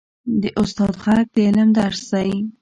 د استاد ږغ د علم درس دی.